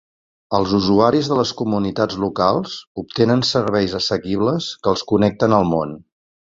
Els usuaris de les comunitats locals obtenen serveis assequibles que els connecten al món.